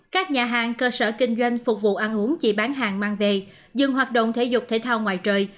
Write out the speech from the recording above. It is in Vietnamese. các nhà hàng cơ sở kinh doanh phục vụ ăn uống chỉ bán hàng mang về dừng hoạt động thể dục thể thao ngoài trời